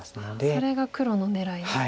それが黒の狙いですか。